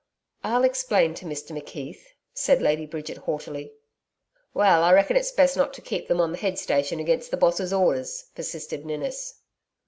'I'll explain to Mr McKeith,' said Lady Bridget haughtily. 'Well, I reckon it's best not to keep them on the head station against the Boss's orders,' persisted Ninnis.